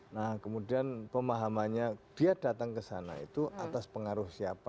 nah kemudian pemahamannya dia datang ke sana itu atas pengaruh siapa